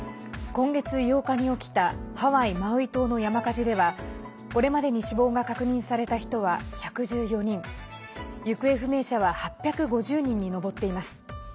今月８日に起きたハワイ・マウイ島の山火事ではこれまでに死亡が確認された人は１１４人行方不明者は８５０人に上っています。